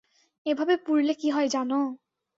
এভাবে পুড়লে কী হয় জানো?